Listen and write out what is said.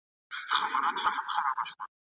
راځه چې ځو لغمان ته